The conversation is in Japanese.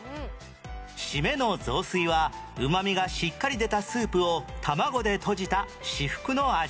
締めの雑炊はうまみがしっかり出たスープを卵でとじた至福の味